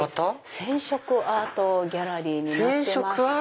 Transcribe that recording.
染色アートギャラリーになってまして。